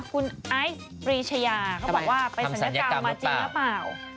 คุณไอซ์ปรีชายาเขาบอกว่าไปศัลยกรรมมาจริงหรือเปล่า